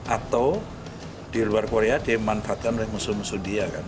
atau di luar korea dimanfaatkan oleh musuh musuh dia